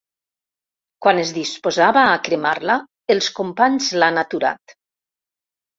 Quan es disposava a cremar-la, els companys l’han aturat.